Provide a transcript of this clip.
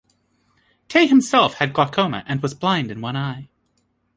Tay himself had glaucoma and was blind in one eye.